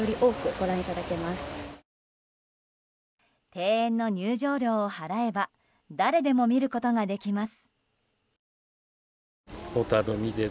庭園の入場料を払えば誰でも見ることができます。